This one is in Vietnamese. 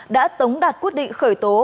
đã tống đạt quyết định khởi tố